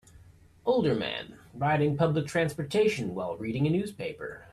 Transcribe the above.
Older man riding public transportation while reading a newspaper.